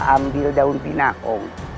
ambil daun pinah om